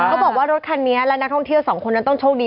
เขาบอกว่ารถคันนี้และนักท่องเที่ยวสองคนนั้นต้องโชคดี